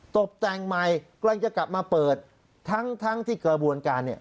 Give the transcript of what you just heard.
ตกแต่งใหม่กำลังจะกลับมาเปิดทั้งทั้งที่กระบวนการเนี่ย